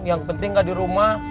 yang penting gak di rumah